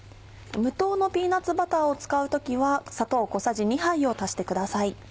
無糖のピーナッツバターを使う時は砂糖小さじ２杯を足してください。